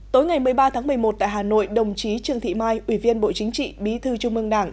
tối ngày một mươi ba tháng một mươi một tại hà nội đồng chí trương thị mai ủy viên bộ chính trị bí thư trung mương đảng